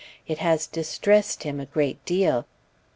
It has distressed him a great deal."